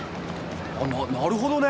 あっなるほどね。